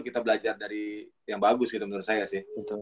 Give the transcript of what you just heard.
kita belajar dari yang bagus gitu menurut saya sih